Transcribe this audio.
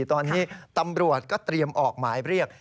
ตอนนี้ตำรวจก็เตรียมออกหมายเรียก